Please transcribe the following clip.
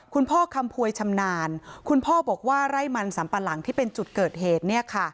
คำพวยชำนาญคุณพ่อบอกว่าไร่มันสัมปะหลังที่เป็นจุดเกิดเหตุ